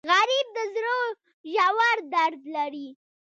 غریب د زړه ژور درد لري